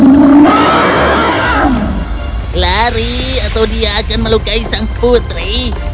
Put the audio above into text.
lari atau dia akan melukai sang putri